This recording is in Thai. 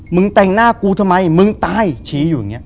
แต่งหน้ากูทำไมมึงตายชี้อยู่อย่างนี้